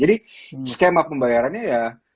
jadi skema pembayarannya ya